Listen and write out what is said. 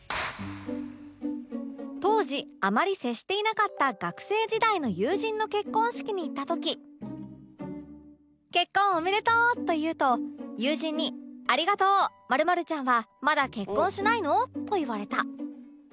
当時あまり接していなかった学生時代の友人の結婚式に行った時「結婚おめでとう！」と言うと友人に「ありがとう！○○ちゃんはまだ結婚しないの？」と言われた